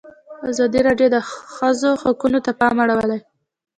ازادي راډیو د د ښځو حقونه ته پام اړولی.